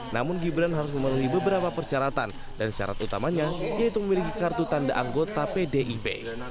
namun gibran harus memenuhi beberapa persyaratan dan syarat utamanya yaitu memiliki kartu tanda anggota pdip